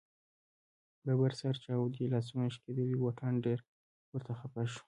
ببر سر، چاودې لاسونه ، شکېدلي بوټان ډېر ورته خفه شو.